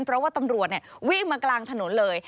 เพราะว่าตำรวจวิ่งมากลางถนนเลย